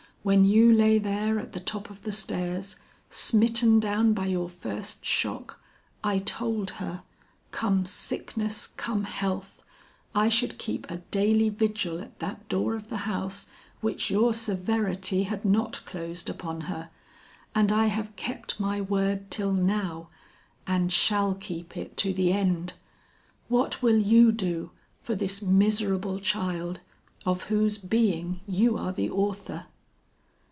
'When you lay there at the top of the stairs, smitten down by your first shock, I told her, come sickness, come health, I should keep a daily vigil at that door of the house which your severity had not closed upon her; and I have kept my word till now and shall keep it to the end. What will you do for this miserable child of whose being you are the author?'